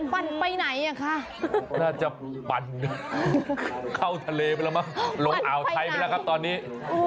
ปั่นไปไหนอ่ะคะน่าจะปั่นเข้าทะเลไปแล้วมั้งลงอ่าวไทยไปแล้วครับตอนนี้